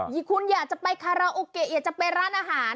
ที่คุณอยากจะไปคาราโอเกะอยากจะไปร้านอาหาร